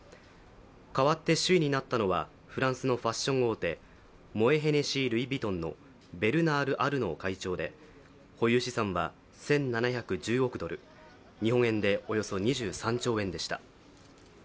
代わって首位になったのはフランスのファッション大手モエ・ヘネシー・ルイ・ヴィトンのベルナール・アルノー会長で保有資産は１７１０億ドル、日本円でおよそ２３兆円でした。